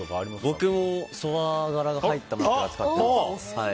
僕もそば殻が入った枕使ってます。